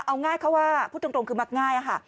เอาง่ายเขาว่าพูดตรงคือมักง่ายค่ะ